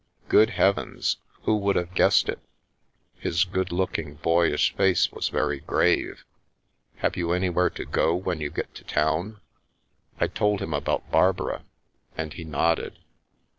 " Good heavens ! Who would have guessed it? " His good looking, boyish face was very grave. " Have you anywhere to go when you get to town ?" I told him about Barbara, and he nodded.